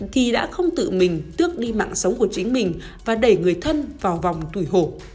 thì đã không tự mình tước đi mạng sống của chính mình và đẩy người thân vào vòng tủi hổ